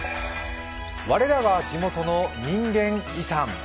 「我らが地元の人間遺産」。